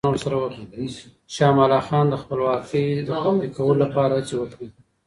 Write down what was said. شاه امان الله خان د خپلواکۍ د خوندي کولو لپاره هڅې وکړې.